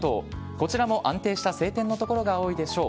こちらも安定した晴天の所が多いでしょう。